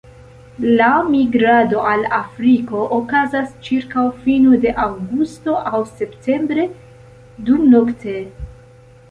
La migrado al Afriko okazas ĉirkaŭ fino de aŭgusto aŭ septembre, dumnokte.